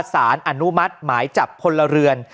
สารอนุมัติหมายจับพลเรือน